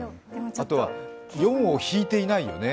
あとは４を引いていないよね